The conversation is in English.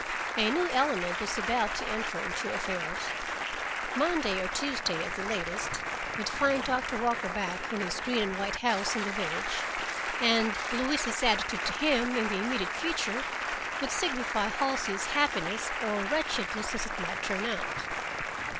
A new element was about to enter into affairs: Monday, or Tuesday at the latest, would find Doctor Walker back in his green and white house in the village, and Louise's attitude to him in the immediate future would signify Halsey's happiness or wretchedness, as it might turn out.